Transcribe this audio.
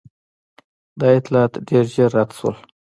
دا اطلاعات ډېر ژر رد شول.